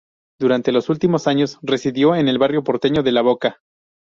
Durante los últimos años residió en el barrio porteño de La Boca.